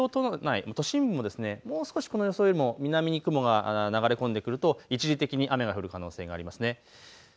東京都内、都心部ももう少しこの予想よりも南に雲が流れ込んでくると一時的に雨の可能性があります。